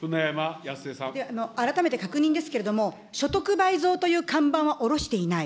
改めて確認ですけれども、所得倍増という看板はおろしていない。